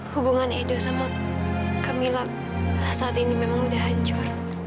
hubungan edo sama gemilang saat ini memang udah hancur